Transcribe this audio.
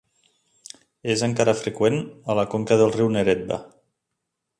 És encara freqüent a la conca del riu Neretva.